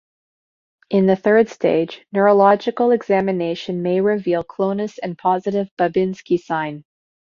In the third stage, neurological examination may reveal clonus and positive Babinski sign.